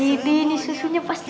wih ini susunya pasti enak banget nis